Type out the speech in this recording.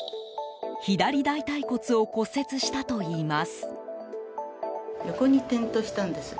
左大腿骨を骨折したといいます。